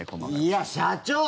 いや、社長！